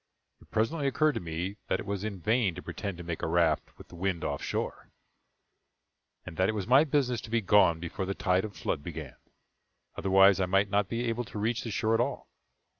It presently occurred to me that it was in vain to pretend to make a raft with the wind off shore; and that it was my business to be gone before the tide of flood began, otherwise I might not be able to reach the shore at all.